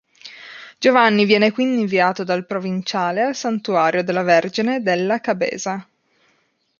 Giovanni viene quindi inviato dal provinciale al Santuario della Vergine della Cabeza.